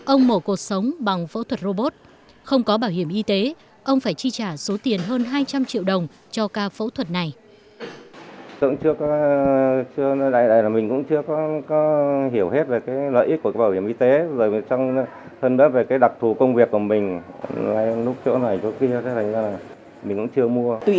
ông mổ cuộc sống bằng phẫu thuật robot không có bảo hiểm y tế ông phải chi trả số tiền hơn hai trăm linh triệu đồng cho ca phẫu thuật này